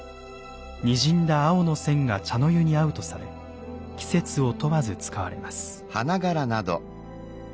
にじんだ青の線が茶の湯に合うとされ季節を問わず使われます。